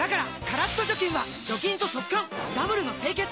カラッと除菌は除菌と速乾ダブルの清潔！